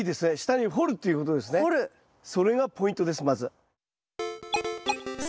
それがポイントですまず。